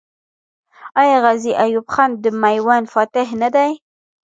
آیا غازي ایوب خان د میوند فاتح نه دی؟